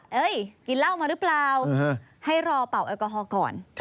กินเหล้ามาหรือเปล่าให้รอเป่าแอลกอฮอล์ก่อน